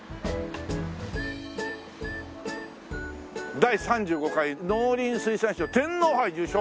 「第三十五回農林水産祭天皇杯受賞」